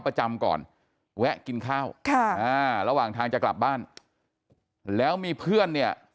ประจำก่อนแวะกินข้าวค่ะอ่าระหว่างทางจะกลับบ้านแล้วมีเพื่อนเนี่ย